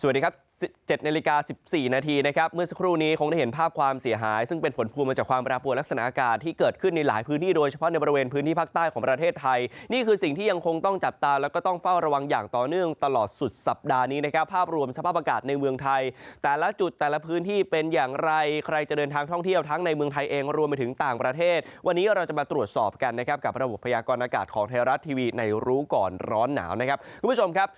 สวัสดีครับ๗นาฬิกา๑๔นาทีนะครับเมื่อสักครู่นี้คงได้เห็นภาพความเสียหายซึ่งเป็นผลพูดมาจากความประปวดลักษณะอากาศที่เกิดขึ้นในหลายพื้นที่โดยเฉพาะในบริเวณพื้นที่ภาคใต้ของประเทศไทยนี่คือสิ่งที่ยังคงต้องจัดตามแล้วก็ต้องเฝ้าระวังอย่างต่อเนื่องตลอดสุดสัปดาห์นี้นะครับ